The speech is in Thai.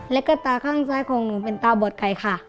แล้วก็ตาข้างซ้ายของหนูเป็นตาบอดไก่ค่ะ